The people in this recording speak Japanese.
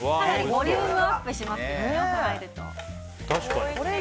ボリュームアップしますねお麩が入ると。